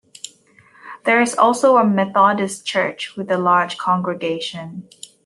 There is also a Methodist church with a large congregation.